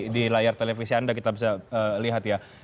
di layar televisi anda kita bisa lihat ya